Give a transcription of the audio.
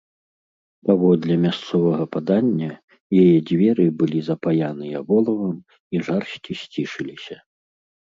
Паводле мясцовага падання, яе дзверы былі запаяныя волавам, і жарсці сцішыліся.